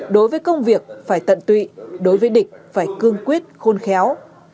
đối với công việc phải tận tụy đối với địch phải cương quyết khôn khéo